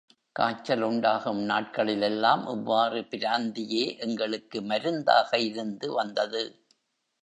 காய்ச்சல் உண்டாகும் நாட்களில் எல்லாம் இவ்வாறு பிராந்தியே எங்களுக்கு மருந்தாக இருந்து வந்தது.